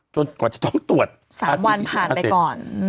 กว่าจะต้องตรวจ๓วันผ่านไปก่อน